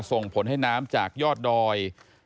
ส่งผลให้น้ำจากยอดดอย